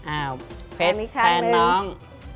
อ้าวเพชรแฟนน้อง